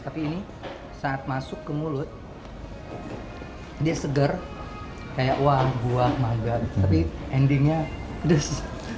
tapi ini saat masuk ke mulut dia segar kayak buah mangga tapi endingnya pedas